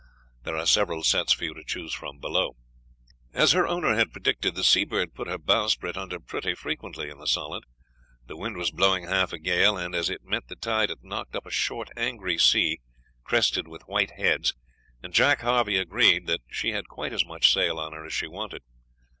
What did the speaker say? There are several sets for you to choose from below." As her owner had predicted, the Seabird put her bowsprit under pretty frequently in the Solent; the wind was blowing half a gale, and as it met the tide it knocked up a short, angry sea, crested with white heads, and Jack Harvey agreed that she had quite as much sail on her as she wanted.